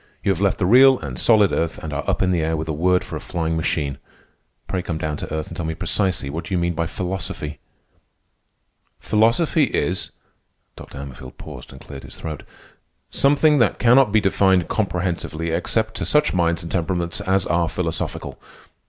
"You have left the real and solid earth and are up in the air with a word for a flying machine. Pray come down to earth and tell me precisely what you do mean by philosophy." "Philosophy is—" (Dr. Hammerfield paused and cleared his throat)—"something that cannot be defined comprehensively except to such minds and temperaments as are philosophical.